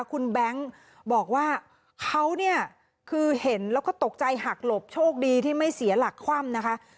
คุณแบงค์บอกว่าเขาเนี่ยคือเห็นแล้วก็ตกใจหักหลบโชคดีที่ไม่เสียหลักคว่ำนะคะ